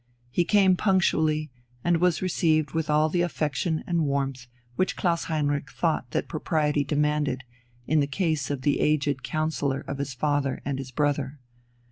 He came punctually, and was received with all the affection and warmth which Klaus Heinrich thought that propriety demanded in the case of the aged counsellor of his father and his brother.